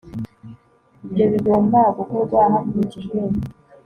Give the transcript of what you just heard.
Ibyo bigomba gukorwa hakurikijwe